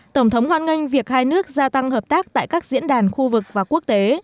tổng thống hoan nghênh việc hai nước gia tăng hợp tác tại các diễn đàn khu vực và quốc tế